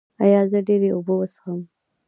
ایا زه ډیرې اوبه وڅښم؟